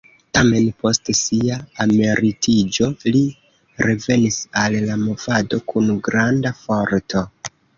Tamen, post sia emeritiĝo li revenis al la movado kun granda forto.